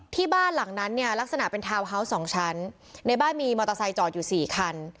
ที่บ้านหลังนั้นเนี่ยลักษณะเป็นทาวน์ฮาวส์สองชั้นในบ้านมีมอเตอร์ไซค์จอดอยู่สี่คัน